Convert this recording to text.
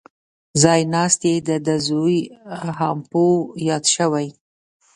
ځای ناست یې دده زوی هامپو یاد شوی.